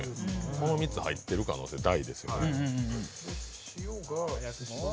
この３つ、入ってる可能性大ですよね。